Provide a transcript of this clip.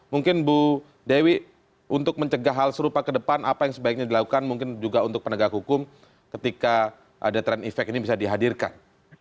mungkin bu dewi untuk mencegah hal serupa ke depan apa yang sebaiknya dilakukan mungkin juga untuk penegak hukum ketika ada trend effect ini bisa dihadirkan